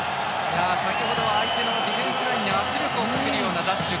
先ほど相手のディフェンスラインに圧力をかけるようなダッシュ。